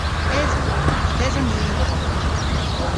Eson. Yth eson ni y'n koffiji.